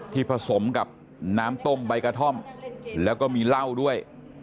ผสมกับน้ำต้มใบกระท่อมแล้วก็มีเหล้าด้วย